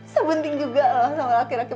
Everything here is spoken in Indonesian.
sebunting juga loh sama laki laki brengsek gitu